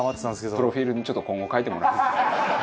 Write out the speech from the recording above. プロフィールにちょっと今後書いてもらっていいですか。